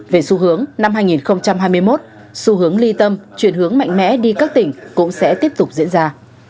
về xu hướng năm hai nghìn hai mươi một xu hướng ly tâm chuyển hướng mạnh mẽ đi các tỉnh cũng sẽ tiếp tục diễn ra